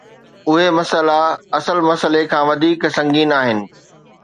اهي مسئلا اصل مسئلي کان وڌيڪ سنگين آهن.